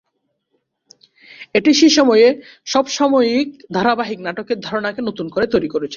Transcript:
এটি সে সময়ে সমসাময়িক ধারাবাহিক নাটকের ধারণাকে নতুন করে তৈরি করেছিল।